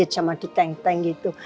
sama di teng teng gitu